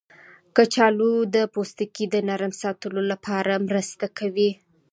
کچالو د پوستکي د نرم ساتلو کې مرسته کوي.